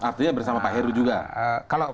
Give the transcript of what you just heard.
artinya bersama pak heru juga kalau